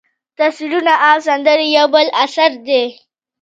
تصویرونه او سندرې یو بل اثر دی.